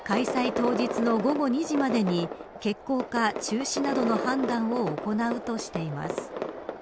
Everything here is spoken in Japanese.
当日の午後２時までに決行か中止などの判断を行うとしています。